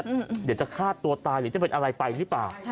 เดี๋ยวจะฆ่าตัวตายหรือจะเป็นอะไรไปหรือเปล่า